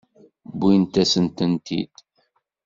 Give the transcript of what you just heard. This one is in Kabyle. Wwin-asent-tent-id.